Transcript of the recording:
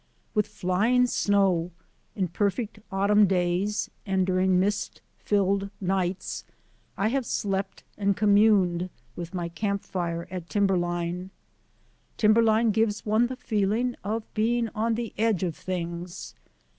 With flying snow, in perfect autumn days and during mist filled nights, I have slept and com muned with my camp fire at timberline. Timber line gives one the feeling of being on the edge of things.